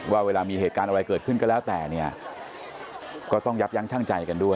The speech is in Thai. ว่าเวลามีเหตุการณ์อะไรเกิดขึ้นก็แล้วแต่เนี่ยก็ต้องยับยั้งช่างใจกันด้วย